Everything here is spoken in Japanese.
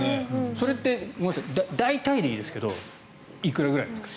それって大体でいいですがいくらぐらいなんですか？